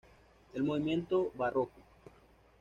El Movimiento Barroco.